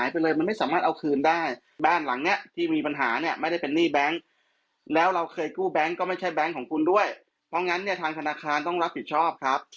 เพราะงั้นเนี่ยทางธนาคารต้องรับผิดชอบครับ